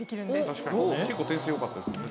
確かに結構点数よかったですもんね。